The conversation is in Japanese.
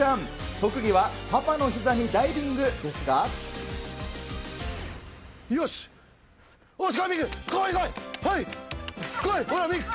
特技はパパのひざにダイビングでよし、おし、来い、三九。